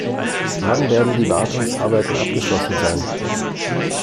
Wann werden die Wartungsarbeiten abgeschlossen sein?